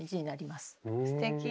すてき。